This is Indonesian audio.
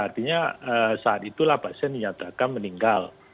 artinya saat itulah pasien dinyatakan meninggal